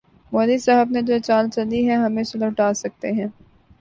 مودی صاحب نے جو چال چلی ہے، ہم اسے لوٹا سکتے ہیں۔